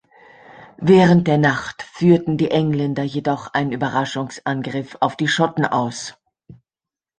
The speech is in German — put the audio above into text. Während der Nacht führten die Engländer jedoch einen Überraschungsangriff auf die Schotten aus.